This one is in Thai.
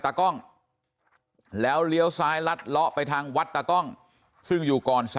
ตากล้องแล้วเลี้ยวซ้ายลัดเลาะไปทางวัดตากล้องซึ่งอยู่ก่อน